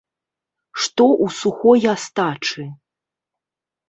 Што у сухой астачы?